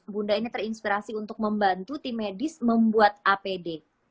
bunda ini terinspirasi untuk membantu tim medis membuat apd